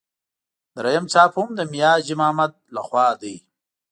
درېیم چاپ هم د میا حاجي محمد له خوا دی.